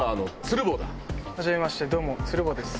はじめましてどうも鶴房です。